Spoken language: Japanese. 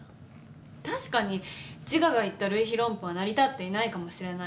確かにジガが言った類比論法は成り立っていないかもしれない。